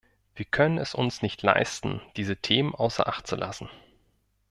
Wir können es uns nicht leisten, diese Themen außer Acht zu lassen.